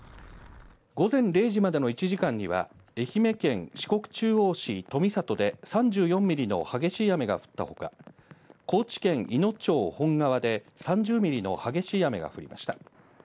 午前０時までの１時間には、愛媛県四国中央市富郷で３４ミリの激しい雨が降ったほか、高知県いの町本川で３０ミリの激しい雨が降りました。